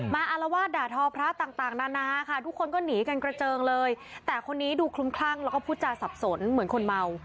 อารวาสด่าทอพระต่างนานาค่ะทุกคนก็หนีกันกระเจิงเลยแต่คนนี้ดูคลุมคลั่งแล้วก็พูดจาสับสนเหมือนคนเมา